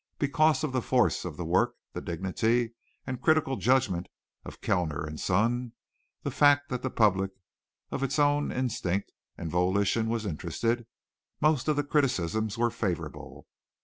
Because of the force of the work, the dignity and critical judgment of Kellner and Son, the fact that the public of its own instinct and volition was interested, most of the criticisms were favorable.